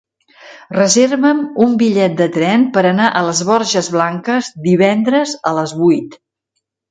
Reserva'm un bitllet de tren per anar a les Borges Blanques divendres a les vuit.